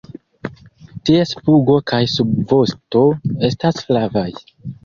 Ties pugo kaj subvosto estas flavaj.